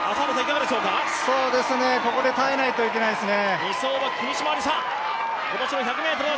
ここで耐えないといけないですね。